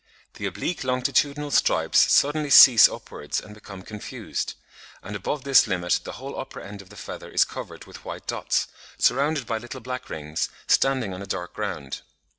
The oblique longitudinal stripes suddenly cease upwards and become confused; and above this limit the whole upper end of the feather (a) is covered with white dots, surrounded by little black rings, standing on a dark ground.